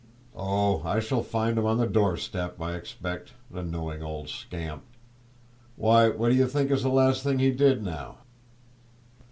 "Oh, I shall find him on the door step, I expect, the knowing old scamp! Why, what d' ye think was the last thing he did, now?"